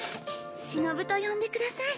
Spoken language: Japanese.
しのぶと呼んでください。